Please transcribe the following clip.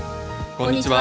こんにちは。